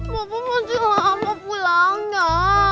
bapak masih lama pulangnya